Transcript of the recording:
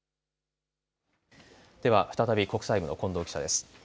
では再び国際部の近藤記者です。